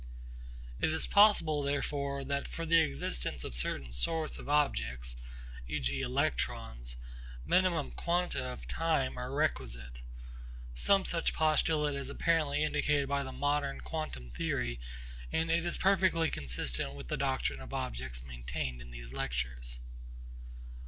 It is possible therefore that for the existence of certain sorts of objects, e.g. electrons, minimum quanta of time are requisite. Some such postulate is apparently indicated by the modern quantum theory and it is perfectly consistent with the doctrine of objects maintained in these lectures.